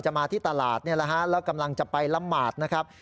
จะมาที่ตลาดแล้วกำลังจะไปลำบาดนะครับ